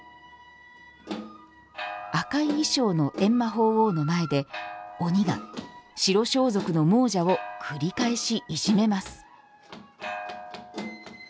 赤い衣装の閻魔法王の前で鬼が白装束の亡者を繰り返しいじめます。